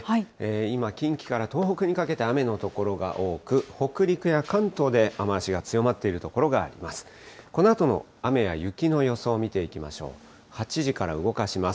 今、近畿から東北にかけて雨の所が多く、北陸や関東で雨足が強まっている所があります。